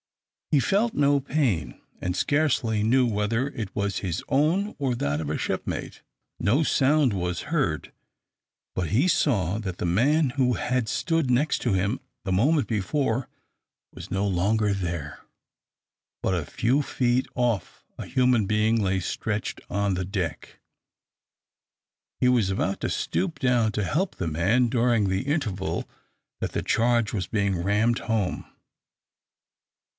He felt no pain, and scarcely knew whether it was his own or that of a shipmate. No sound was heard, but he saw that the man who had stood next to him the moment before was no longer there, but a few feet off a human being lay stretched on the deck. He was about to stoop down to help the man during the interval that the charge was being rammed home.